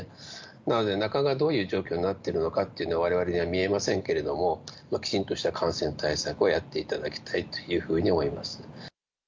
なので中がどういう状況になっているのかというのは、われわれには見えませんけれども、きちんとした感染対策をやっていただきたいというふうに思います。